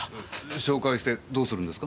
紹介してどうするんですか？